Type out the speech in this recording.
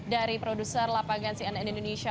dari produser lapangan cnn indonesia